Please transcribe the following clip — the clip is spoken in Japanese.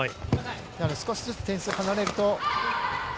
少しずつ点数が離れると。